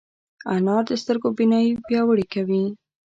انار د سترګو بینايي پیاوړې کوي.